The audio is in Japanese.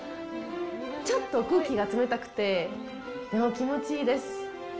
ちょっと空気が冷たくてでも気持ちいいです。